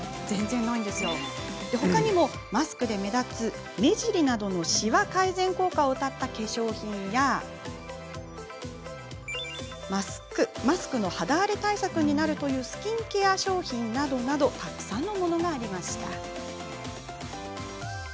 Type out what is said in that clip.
ほかにもマスクで目立つ目尻などのしわ改善効果をうたった化粧品やマスク肌荒れ対策になるというスキンケア商品などたくさんのものがありました。